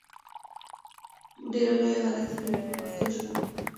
ډېره لویه غلطي کوي په پښتو ژبه.